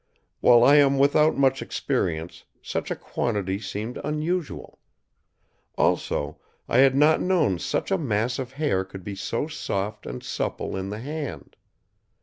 While I am without much experience, such a quantity seemed unusual. Also, I had not known such a mass of hair could be so soft and supple in the hand.